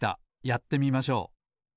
やってみましょう。